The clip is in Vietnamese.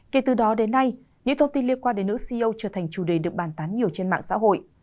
kể từ đó đến nay những thông tin liên quan đến nữ ceo trở thành chủ đề được bàn tán nhiều trên mạng xã hội